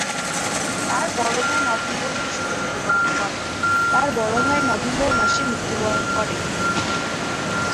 তার বড় ভাই নভেম্বর মাসে মৃত্যুবরণ করে।